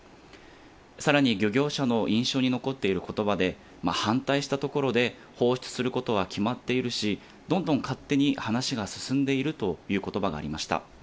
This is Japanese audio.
さらに、漁業者の印象に残っていることばで、反対したところで放出することは決まっているし、どんどん勝手に話が進んでいるということばがありました。